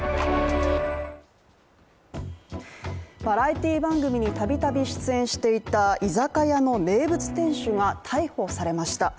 バラエティー番組にたびたび出演していた居酒屋の名物店主が逮捕されました。